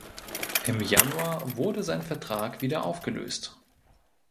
Im Januar wurde sein Vertrag wieder aufgelöst.